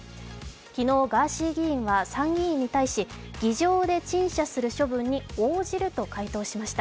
昨日、ガーシー議員は参議院に対し議場で陳謝することに応じると発表しました。